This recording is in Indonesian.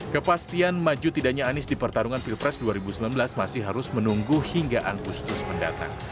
kepastian maju tidaknya anies di pertarungan pilpres dua ribu sembilan belas masih harus menunggu hingga agustus mendatang